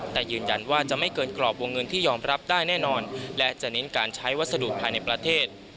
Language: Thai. แต่ยืนยันว่าจะไม่เกินกรอบวงเงินที่ยอมรับได้แน่นอนและจะเน้นการใช้วัสดุภายในประเทศ